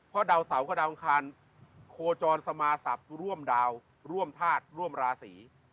เพราะดาวเสาร์ก็ดาวอังคารโคจรสมาศัพท์ร่วมดาวร่วมธาตุร่วมราศี